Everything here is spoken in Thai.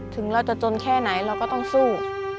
ถึงเราจะจนแค่ไหนเราก็ต้องสู้